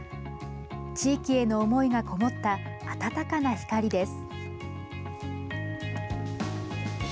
地域への思いがこもった温かな光です。